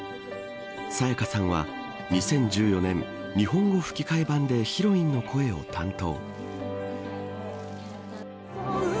沙也加さんは２０１４年日本語吹き替え版でヒロインの声を担当。